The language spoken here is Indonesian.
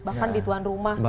bahkan di tuan rumah